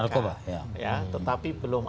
narkoba ya tetapi belum